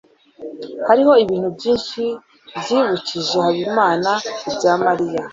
hariho ibintu byinshi byibukije habimana ibya mariya